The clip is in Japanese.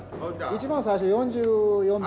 一番最初４４秒。